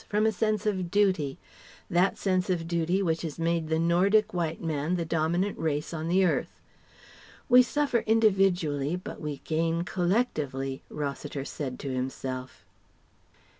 from a sense of duty, that sense of duty which has made the Nordic White man the dominant race on the earth. "We suffer individually but we gain collectively," Rossiter said to himself.